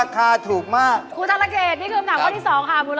ของผมมะเขือม่วงครับผม